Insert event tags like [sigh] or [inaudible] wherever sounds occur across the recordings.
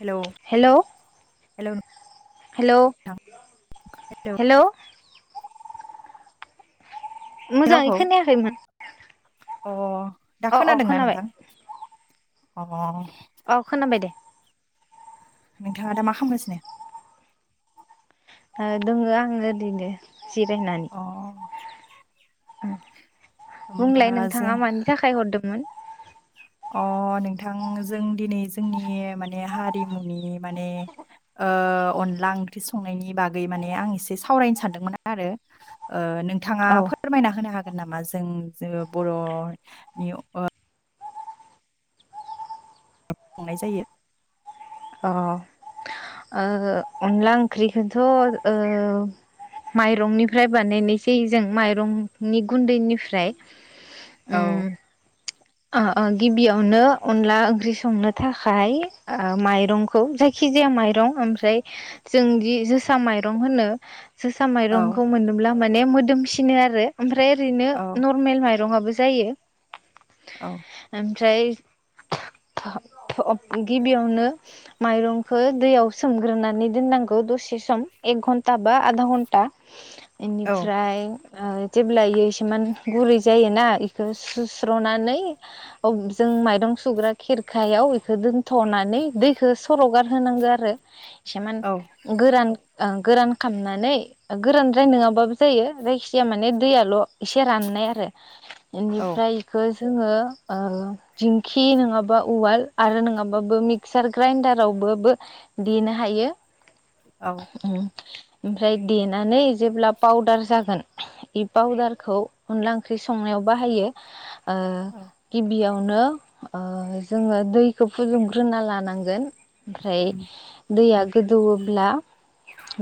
हेल' hello hello hello hello आंनि मोजाङै रावखौ खोनायाखैमोन अ दा अ अ खोनादोंना खोनाबाय नोंथां अ अ खोनाबाय दे नोंथाङा दा मा खामगासिनो? ओ दङो आङो ओरैनो जिरायनानै अ होमबा बुंलाय जों नोंथाङा मानि थाखाय हरदोंमोन अ नोंथां जों दिनै जोंनि माने हारिमुनि माने ओ अनला ओंख्रि संनायनि बागै माने आं एसे सावरायनो सानदोंमोन आरो ओ नोंथाङा औ फोरमायना होनो हागोन नामा जों जोङो बर'नि संनाय जायो अ ओ अनला ओंख्रिखौथ' ओ माइरंनिफ्राय बानायनायसै जों माइरंनि गुन्दैनिफ्राय औ उम ओ ओ गिबियावनो अनला ओंख्रि संनो थाखाय माइरंखौ जायखि खिजाया माइरं ओमफ्राय जोंदि जोसा माइरं होनो जोसा औ माइरंखौ मोनोब्ला माने मोदोमसिनो आरो ओमफ्राय ओरैनो औ नरमेल माइ रंआबो जायो औ [unintelligible] [unintelligible] गिबियावनो माइरंखौ दैयाव सोमग्रोनानै दोननांगौ दसे सम एक घन्टा बा आधा घन्टा औ इनिफ्राय जेब्ला इयो इसुमान गुरै जायोना इखौ सु [unintelligible] नानै जों माइरं सुग्रा खेरखायाव एलखौ दोनथ'नानै दैखो सर'गार होनांगौ आरो एसेमान औ गोरान गोरान खामनानै गोरानद्राय नङाबाबो जायो जायखिजाया माने दैयाल' एसे राननाय आरो औ बेनिफ्राय बेखौ जोङो ओ दिंखि नङाबा उवाल आरो नङाबाबो मिक्सार ग्राइन्डाराव बो बे देनो हायो औ उम ओमफ्राय देनानै जेब्ला पावदार जागोन बे पावदारखौ अनला ओंख्रि संनायाव बाहायो, ओ औ गिबियाव नो जोङो दैखौ फुदुंग्रोना लानांगोन ओमफ्राय उम दैया गोदौवोब्ला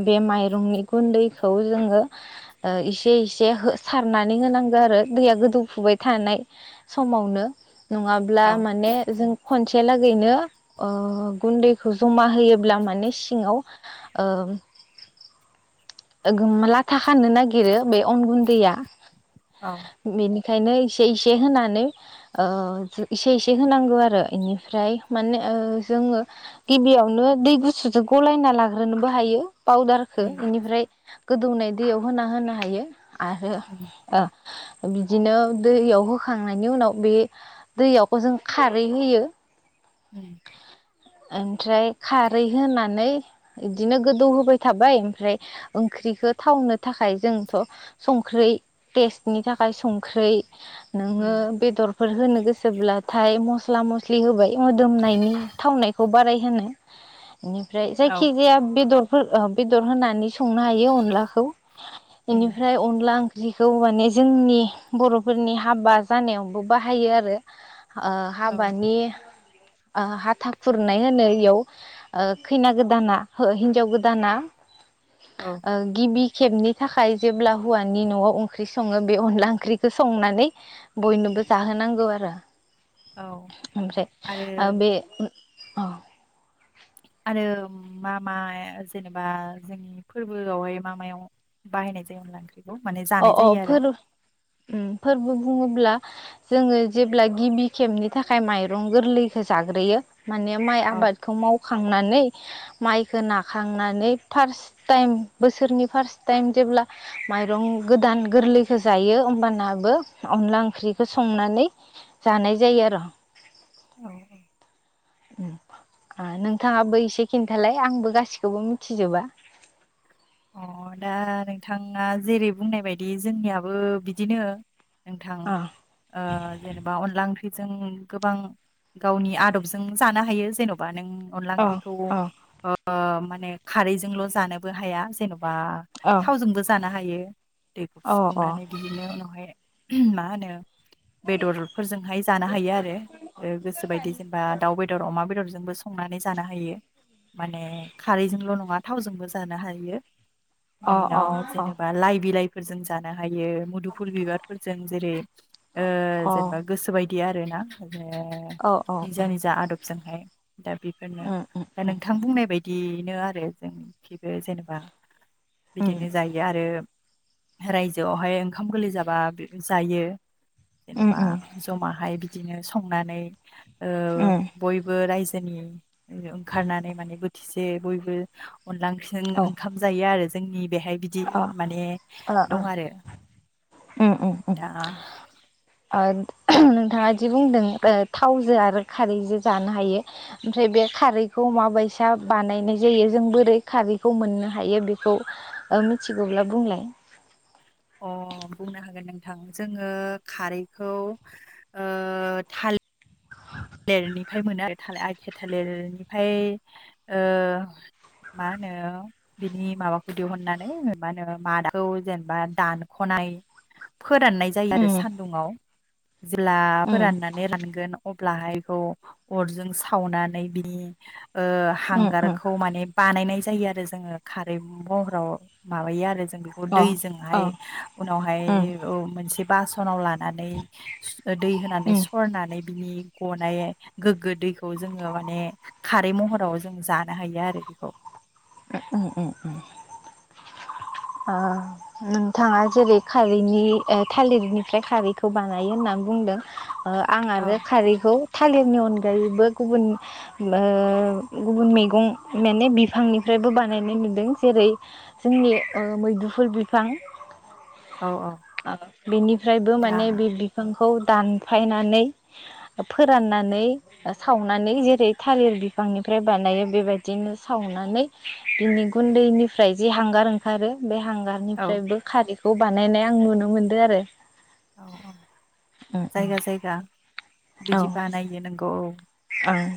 बे माइरंनि गुन्दैखौ जोङो इसे इसे हो सारनानै हो नांगौ आरो दैया गोदौफुबाय थानाय समावनो नङाब्ला औ माने जों खन लागैनो गुन्दैखौ जमा होयोब्ला माने सिङाव ओ [unintelligible] लाथा खानानो नागिरो बे अन गुन्दैया औ बेनि खायनो इसे इसे होनानै ओ इसे इसे होनांगौ आरो इनिफ्राय माने ओ जोङो गिबियावनो दै गुसुजों गलायना लाग्रोनोबो हायो पावदारखो उम एनिफ्राय गोदौनाय दैयाव होना होनो हायो आरो उम बिदिनो दैयाव होखांनायनि उनाव बे दैयाव जों खारै होयो उम ओमफ्राय खारै होनानै इदिनो गोदौ होबाय थाबाय ओमफ्राय ओंख्रिखौ थावनो थाखाय जोंथ' संख्रै टेस्टनि थाखाय संख्रै उम नोङो बेदरफोर होनो गोसोब्लाथाय मस्ला मस्लि होबाय मोदोमनायनि थावनायखौ बाराय होनो बेनिफ्राय औ जायखि जाया बेदर फोर बेदर होनानै संनो हायो अनलाखौ उम बेनिफ्राय अनला ओं ग्लिखौ माने जोंनि बर'फोरनि हाबा जानायावबो बाहायो आरो। ओ औ हाबानि ओ हाथा खुरनाय होनो इयाव ओ खैना गोदाना हो हिन्जाव गोदाना औ ओ गिबि खेबनि थाखाय जेब्ला हौवानि न'आव ओंख्रि सङो बे अनला ओंख्रिखौ संनानै बयनोबो जाहोनांगौ आरो औ ओमफ्राय आरो बे औ आरो मा मा जेनेबा जोंनि फोरबोआवहाय मा मायाव बाहाय [unintelligible] अ अ फोर उम फोरबो बुंङोब्ला जोंङो जेब्ला गिबि खेबनि थाखाय माइरं गोरलैखौ जाग्रोयो माने माइ औ आबादखौ माव खांनानै माइखो नाखांनानै फार्स्ट टाइम बोसोरनि फार्स्ट टाइम जे ब्ला माइरं गोदान गोरलैखौ जायो होमबानाबो अनला ओंख्रिखौ संनानै जानाय जायो आर'। औ। उम। आ नोंथांङाबो एसे खिन्थालाय आंबो गासिखौबो मिथिजोबा। अ दा नोंथांङा जेरै बुंनाय बायदि जोंनियाबो बिदिनो नोंथां अ ओ जेनेबा अनला ओंख्रि जों गोबां गावनि आदबजों जानो हायो जेन'बा नों अनला अ ओंख्रिखौ अ ओ माने खारैजोंल' जानोबो हाया। बा अ थावजोंबो जानो हायो दैखौ अ अ फुदुंनानै बिदिनो उनावहाय मा होनो बेदरफोरजोंहाय जानो हायो आरो ओ गोसोबायदि जेनेबा दाउ बेदर अमा बेदर जोंबो संनानै जानो हायो माने खारैजोंल' नङा थावजोंबो जानो हायो। अ इनि उनाव जेनेबा लाइ बिलाइफोरजों जानो हायो मुदुफुल बिबारफोरजों जेरै ओ जेनेबा गोसो बायदि आरोना ओमफाय अ निजा निजा आदब जोंहाय दा बेफोरनो अ दा नोंथां बुंनाय बाय दिनो आरो जोंनिखिबो जेनेबा अ बिदिनो जायो आरो रायजोआवहाय ओंखाम गोरलै जाबा जायो। उम जेनेबा उम जमाहाय बिदिनो संनानै ओ उम बयबो रायजो जोनि ओंखारनानै माने बोथिसे बयबो अनला औ ओंख्रिजों ओंखाम जायो आरो जोंनि बेहाय। बिदि अ ओ माने ओ दं आरो उम उम उम दा ओ नोंथांङा जि बुंदों थावजो आरो खारैजों जानो हायो ओमफ्राय बे खारैखौ माबायसा बानायनाय जायो जों बोरै खारैखौ मोननो हायो बेखौ ओ मिथिगौब्ला बुंलाय। अ। बुंनो हागोन नोंथां जोंङो खारैखौ ओ थाल लिरनिफ्राय मोनो आरो थालि आथिया थालिरनिफ्राय ओ मा होनो बिनि माबाखौ दिहुननानै मा होनो मादाखौ जेनेबा दानख'ना नाय फोराननाय जायो आरो उम सान्दुंङाव जेब्ला उम फोराननानै रानगोन अ ल्बाहाय खौ अरजों सावनानै बिनि ओ उम उम हांगारखौ माने बानायनाय जायो आरो जोङो खारै महराव माबायो आरो। बेखौ अ दैजोंहाइ अ उनाउहाइ उम उम औ मोनसे बासनआउ लाना नानै दै होनानै उम सरनानै बिनि गनाय गोग्गो दैखौ जोङो माने खारै महराव जों जानो हायो आरो बेखौ। उम उम उम। [inaudible] ओ नोंथाङा जेरै खारैनि ओ थालिरनिफ्राय खारैखौ बानायो होनना बुं बुंदों आं औ आरो खारैखौ थालिरनि अनगायैबो गुबुन ओ गुबुन मैगं माने बिफांनि फ्रायबो बानायनाय नुदों जेरै जोंनि ओ मैदुफुल बिफां औ औ बेनिफ्रायबो दा माने बे बिफांखौ दानफायनानै फोराननानै सावनानै जेरै थालिर बिफांनिफ्राय फ्राय बानायो बेबायदिनो सावनानै बिनि गुन्दैनिफ्राय जि हांगार ओंखारो बे हा औ हांगारनिफ्रायबो खारैखौ बानायनाय आं नुनो मोनदो आरो। औ औ औ जायगा जायगा बिदि ओं बानायो नोंगौ औ। ओं।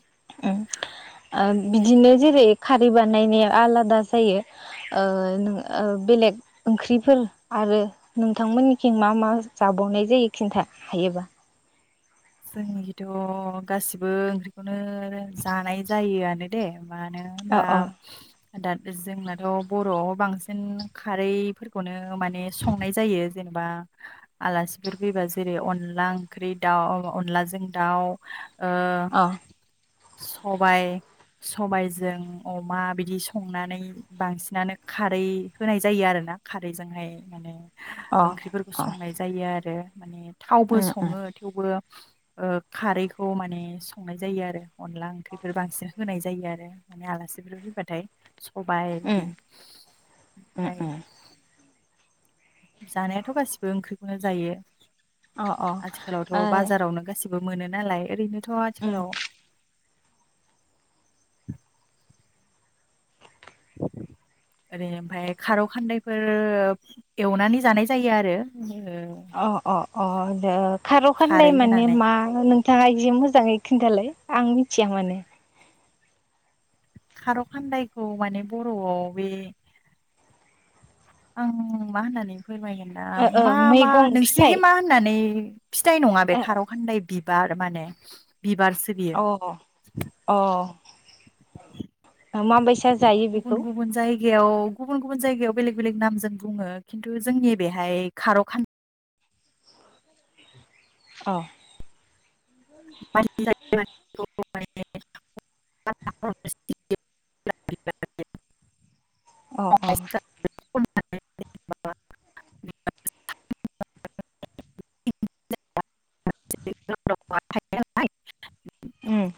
[inaudible] ओ बिदिनो जेरै- खारै बानायनाया आलादा जायो। ओ नो बेलेग ओंख्रिफोर आरो नोंथांमोननिखि मा मा जाब बावनाय जायो खिन्था हायोबा। जोंनिखिथ' गासिबो ओंख्रिखौनो जानाय जायोआनो दे। मानो अ होनबा अ दा जोंनाथ' बर'आव बांसिन खारैफोरखौनो माने संनाय जायो जे जेनेबा आलासिफोर फैबा जेरै अनला ओंख्रि दाउ अनलाजों दाउ ओ अ सबाय। सबायजों अमा बिदि संनानै बांसिनानो खारै होनाय जायो आरो। ना खारैजोंहाय माने ओंख्रिफोरखौ अ संनाय जायो आरो माने थावबो उम उम सङो थेवबो खारैखौ माने संनाय जायो आरो अनला ओंख्रिफोर बांसिन होनाय जायो आरो माने आलासि फोर फैबाथाय सबाय उम बिदि उम ओमफाय उम जानायाथ' गासिबो ओंख्रिखौनो जायो अ अ आथिखालावथ' ओ बाजारावनो गासिब बो मोनो नालाय ओरैनोथ' उम आथिखालाव। [inaudible] ओरै ओमफाय खारौ खान्दैफोर एवनानै जानाय जायो आरो। ओ। अ अ अ दे खार'खानदाय खारै माने होनानै मा नोंथाङा जि मोजाङै खिन्थालाय आं मिथिया माने। खार' खान्दायखौ माने बर'आव बे आं मा होननानै फोरमायगोन दा ओ ओ मा मा मैगं फिथाइ नोंसोरखि मा होननानै फिथाइ नङा बे खार' खान्दाय बि बार माने बिबारसो बियो। ओ अ माबायसा जायो बेखौ। गेयाव गुबुन गुबुन जायगायाव बेलेग बेलेग नामजों बुङो खिन्थु जोंनि बेहाय खार' खान औ। [inaudible] [unintelligible] अ'-अ'। [unintelligible] [unintelligible] उम।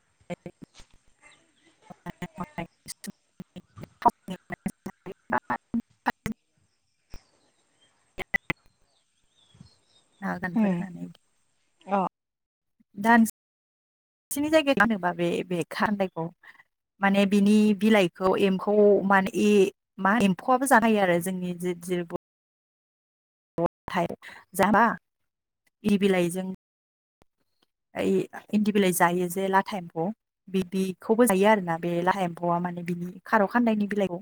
[unintelligible] [unintelligible] [unintelligible] आगानफोर उम होनानै। अ दानस सिनि जायगा बे-बे खान्दायखौ। माने बिनि बिलाइखौ एम्फौ मान ए मा एम्फौआबो जानो हायो आरो जोंनि जे [unintelligible] बद थाय जाबा इ बिलाइजों। ओइ इन्दि बिलाइ जायो जे लाथा एम्फौ बिदिखौबो जायो आरोना बे लाहा एम्फौआ माने बिनि खार' खान्दायनि बिलाइखौ।